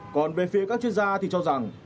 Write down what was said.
còn về phía các chuyên gia thì cho rằng